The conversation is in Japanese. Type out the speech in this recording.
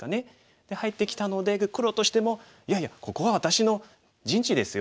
で入ってきたので黒としても「いやいやここは私の陣地ですよ。